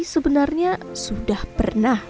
sebenarnya sudah pernah